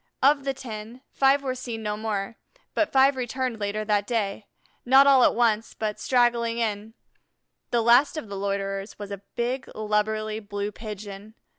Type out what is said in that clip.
Of the ten, five were seen no more, but five returned later that day, not all at once, but straggling in; the last of the loiterers was a big, lubberly Blue Pigeon.